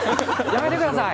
やめてください！